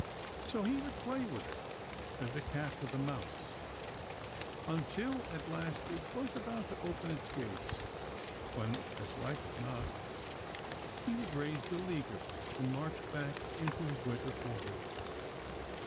So he would play with it, as a cat with a mouse, until at last it was about to open its gates, when, as like as not, he would raise the leaguer and march back into his winter quarters.